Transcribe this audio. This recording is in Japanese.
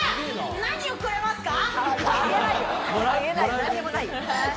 何をくれますか？